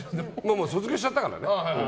もう卒業しちゃったからね。